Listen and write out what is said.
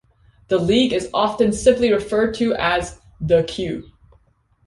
The league is often simply referred to as "The Q".